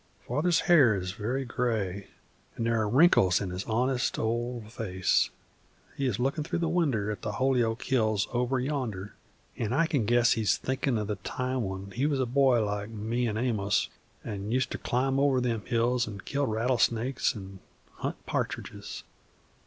Father's hair is very gray, and there are wrinkles on his honest old face. He is lookin' through the winder at the Holyoke hills over yonder, and I can guess he's thinkin' of the time when he wuz a boy like me an' Amos, an' useter climb over them hills an' kill rattlesnakes an' hunt partridges.